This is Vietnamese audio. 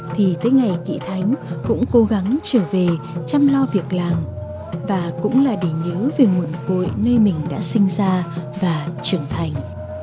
thì tới ngày kỵ thánh cũng cố gắng trở về chăm lo việc làm và cũng là để nhớ về nguồn cội nơi mình đã sinh ra và trưởng thành